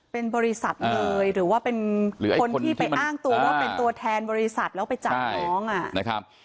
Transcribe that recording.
เป็นบริษัทเลยหรือว่าเป็นคนที่ไปอ้างตัวว่าเป็นตัวแทนบริษัทแล้วไปจับน้องนะครับ